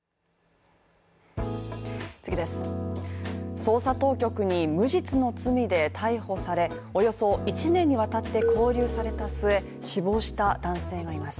捜査当局に無実の罪で逮捕され、およそ１年にわたって勾留された末、死亡した男性がいます。